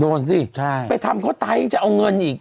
ดูสิไปทำเขาตายยังจะเอาเงินอีก